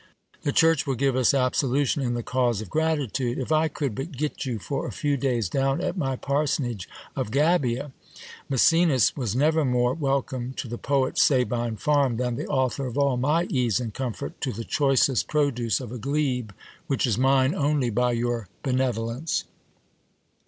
The church will give us absolution, in the cause of gratitude ! If I could but get you for a few days down at my parsonage of Gabia ! Maecenas was never more welcome to the poet's Sabine farm, than the author of all my ease and comfort to the choicest produce of a glebe which is mine only by your benevolence.